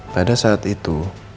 pada saat itu